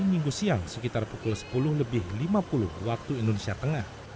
minggu siang sekitar pukul sepuluh lebih lima puluh waktu indonesia tengah